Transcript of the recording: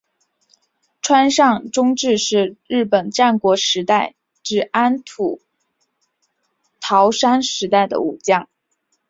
川上忠智是日本战国时代至安土桃山时代的武将。